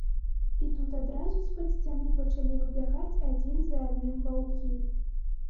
І тут адразу з-пад сцяны пачалі выбягаць адзін за адным ваўкі.